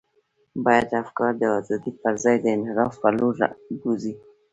باید افکار د ازادۍ پر ځای د انحراف پر لور بوزي.